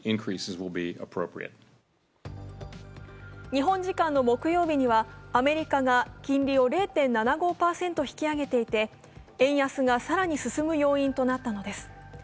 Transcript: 日本時間の木曜日にはアメリカが金利を０．７５％引き上げていて円安が更に進む要因となったのです。